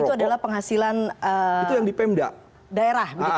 dan itu adalah penghasilan daerah